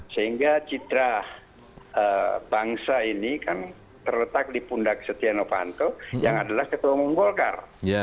sehingga citra bangsa ini kan terletak di pundak setia novanto yang adalah ketua umum golkar